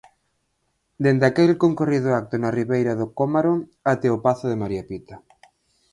Desde aquel concorrido acto na Ribeira do Cómaro até o pazo de María Pita.